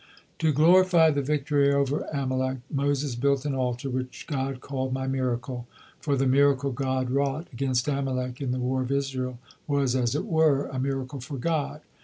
To glorify the victory over Amalek, Moses built an altar, which God called "My Miracle," for the miracle God wrought against Amalek in the war of Israel was, as it were, a miracle for God.